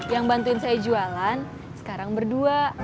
yang bantuin saya jualan sekarang berdua